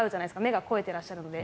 目が肥えてらっしゃるので。